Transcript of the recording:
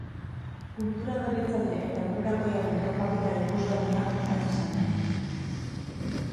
Kultura berritzaile eta aurrerakoiaren topaketa ikusgarria, hain zuzen ere.